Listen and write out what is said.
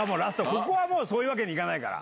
ここはそういうわけにいかないから。